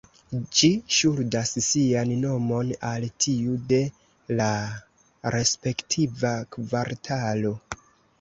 Ĝi ŝuldas sian nomon al tiu de la respektiva kvartalo.